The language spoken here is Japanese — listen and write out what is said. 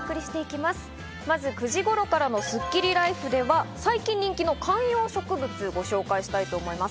まず９時頃からのスッキリＬＩＦＥでは最近人気の観葉植物をご紹介したいと思います。